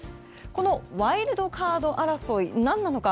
このワイルドカード争い何なのか。